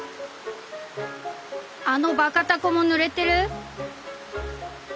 「あのバカ凧もぬれてる？」。